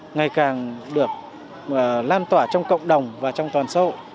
ngày càng được lan tỏa trong cộng đồng và trong toàn sâu